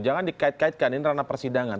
jangan dikait kaitkan ini ranah persidangan